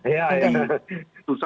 saya yakin partai akan memberikan usaha